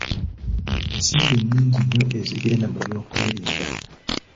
Ensimbi nnyngi nnyo ezigenda mu byokwerinda.